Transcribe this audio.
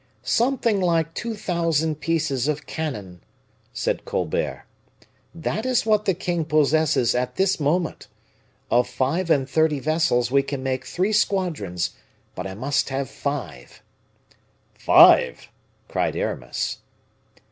"Something like two thousand pieces of cannon," said Colbert. "That is what the king possesses at this moment. Of five and thirty vessels we can make three squadrons, but I must have five." "Five!" cried Aramis.